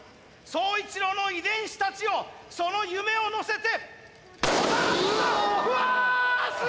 宗一郎の遺伝子たちよその夢を乗せて。